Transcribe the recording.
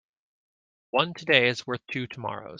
One today is worth two tomorrows.